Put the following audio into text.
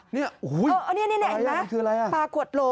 นี่อุ้ยคืออะไรอ่ะ